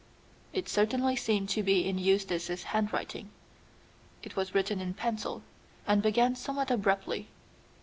It certainly seemed to be in Eustace's handwriting. It was written in pencil, and began somewhat abruptly.